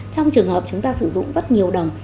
trong trường hợp chúng ta sử dụng rất nhiều đồng